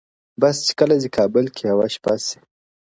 o بس چي کله دي کابل کي یوه شپه سي,